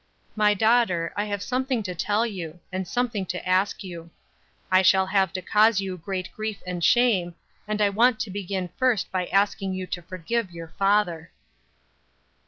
"My daughter, I have something to tell you, and something to ask you. I shall have to cause you great grief and shame, and I want to begin first by asking you to forgive your father."